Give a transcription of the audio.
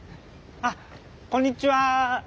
あっこんにちは。